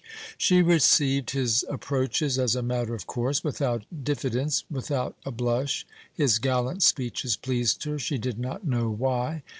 She received his approaches as a matter of course, without diffidence, without a blush. His gallant speeches pleased her, she did not know why.